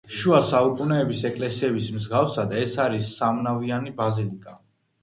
შუა საუკუნეების ეკლესიების მსგავსად, ეს არის სამნავიანი ბაზილიკა.